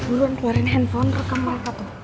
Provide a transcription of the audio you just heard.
udah buruan keluarin handphone rekam mereka tuh